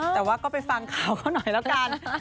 แต่ว่าก็ไปฟังข่าวก่อนหน่อยละกัน